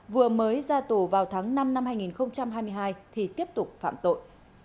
vừa mới ra tù vào tháng năm năm hai nghìn hai mươi hai thì tiếp tục phạm tội